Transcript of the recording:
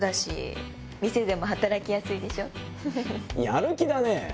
やる気だね！